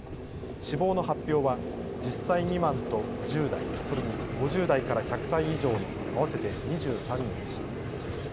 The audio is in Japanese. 死亡の発表は１０歳未満と１０代、それに５０代から１００歳以上の合わせて２３人でした。